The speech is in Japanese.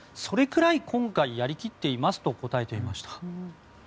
それくらい今回やり切っていますと答えていました。